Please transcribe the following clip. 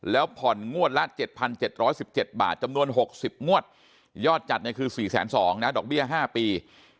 แล้วผ่อนงวดละ๗๗๑๗บาทจำนวน๖๐งวดยอดจัดเนี่ยคือ๔๒๐๐นะดอกเบี้ย๕ปี